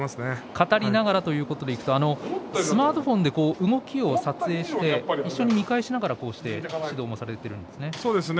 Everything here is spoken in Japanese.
語りながらというとスマートフォンで動きを撮影して見返しながら指導されているんですね。